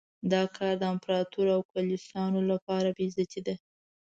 دا کار د امپراطور او انګلیسیانو لپاره بې عزتي ده.